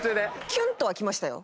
キュンとはきましたよ。